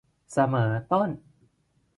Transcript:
เสมอต้น